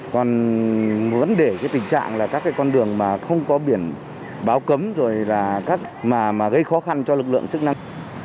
còn vấn đề tình trạng là các con đường mà không có biển báo cấm rồi là các mà gây khó khăn cho lực lượng chức năng